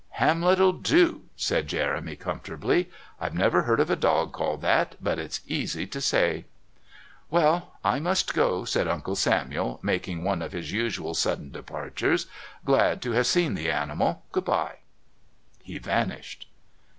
"Hamlet'll do," said Jeremy comfortably. "I've never heard of a dog called that, but it's easy to say." "Well, I must go," said Uncle Samuel, making one of his usual sudden departures. "Glad to have seen the animal. Good bye." He vanished.